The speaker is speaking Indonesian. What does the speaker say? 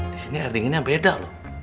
disini air dinginnya beda loh